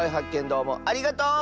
どうもありがとう！